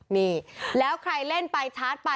นี่แล้วใครเล่นไปชาร์จไป